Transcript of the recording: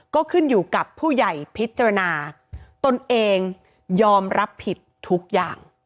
ก็ขึ้นอยู่กับผู้ใหญ่พิจารณาตนเองยอมรับผิดทุกอย่าง